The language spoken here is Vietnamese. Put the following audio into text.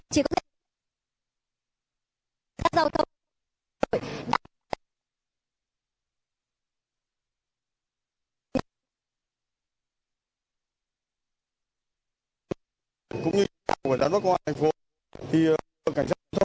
chú ở bình phúc